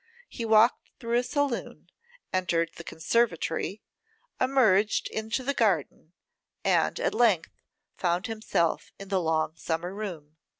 He walked through a saloon, entered the conservatory, emerged into the garden, and at length found himself in the long summer room.